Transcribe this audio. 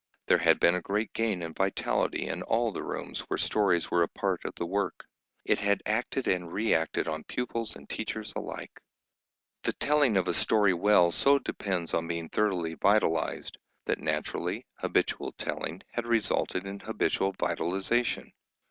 There had been a great gain in vitality in all the rooms where stories were a part of the work. It had acted and reacted on pupils and teachers alike. The telling of a story well so depends on being thoroughly vitalised that, naturally, habitual telling had resulted in habitual vitalisation.